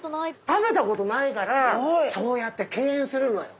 食べたことないからそうやって敬遠するのよ。